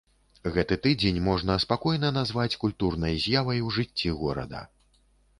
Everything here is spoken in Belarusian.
Гэты тыдзень можна спакойна назваць культурнай з'явай ў жыцці горада.